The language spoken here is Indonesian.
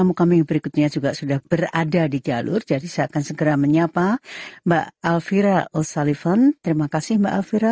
mbak alfira o sullivan terima kasih mbak alfira selamat sore